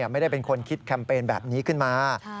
ไม่ได้เป็นคนคิดแคมเปญแบบนี้ขึ้นมา